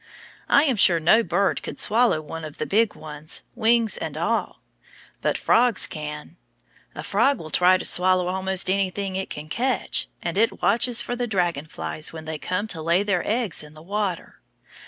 I am sure no bird could swallow one of the big ones, wings and all! But frogs can. A frog will try to swallow almost anything it can catch, and it watches for the dragon flies when they come to lay their eggs in the water.